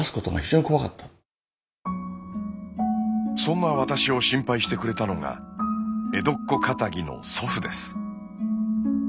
そんな私を心配してくれたのが江戸っ子かたぎの祖父です。